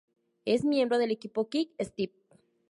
Es miembro del equipo Quick Step.